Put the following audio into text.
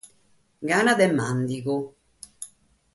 Gana de màndigu.